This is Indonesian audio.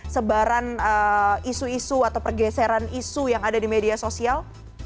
sebaran isu isu atau pergeseran isu yang ada di media sosial